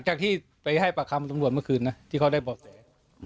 จากที่ไปให้ปากคำตำรวจเมื่อคืนนะที่เขาได้เบาะแส